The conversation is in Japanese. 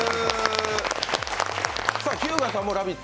日向さんも「ラヴィット！」